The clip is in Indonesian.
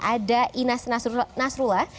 ada inas nasrullah